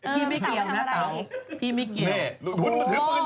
ไม่เกี่ยวนะเต๋าพี่ไม่เกี่ยว